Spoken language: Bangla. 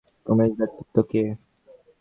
উমেশ ব্যক্তিটি কে?